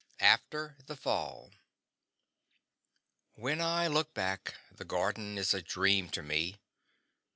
After the Fall When I look back, the Garden is a dream to me.